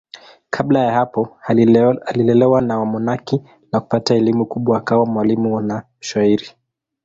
Kabla ya hapo alilelewa na wamonaki na kupata elimu kubwa akawa mwalimu na mshairi.